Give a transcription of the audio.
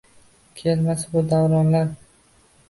Kelmasa bu davronlar